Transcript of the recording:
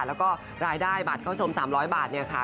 แล้วก็รายได้บัตรเข้าชม๓๐๐บาทเนี่ยค่ะ